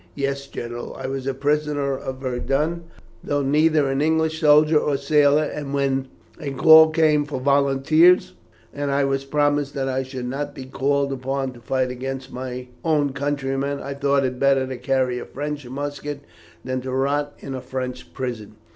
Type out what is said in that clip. "Yes, General. I was a prisoner at Verdun, though neither an English soldier or sailor, and when a call came for volunteers, and I was promised that I should not be called upon to fight against my own countrymen, I thought it better to carry a French musket than to rot in a French prison."